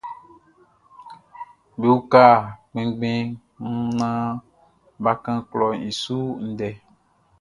Be uka kpɛnngbɛn mun naan bʼa kan klɔʼn i su ndɛ.